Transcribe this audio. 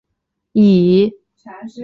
以防御吴佩孚军队进攻。